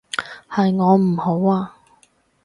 係我唔好啊